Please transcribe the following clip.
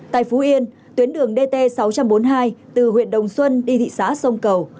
tại phú yên tuyến đường dt sáu trăm bốn mươi hai từ huyện đồng xuân đi thị xã sông cầu